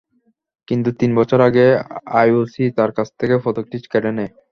কিন্তু তিন বছর আগে আইওসি তাঁর কাছ থেকে পদকটি কেড়ে নেয়।